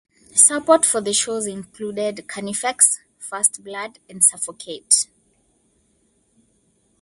Support for the shows included Carnifex, First Blood, and Suffokate.